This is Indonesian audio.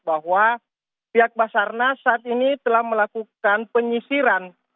bahwa pihak basarnas saat ini telah melakukan penyisiran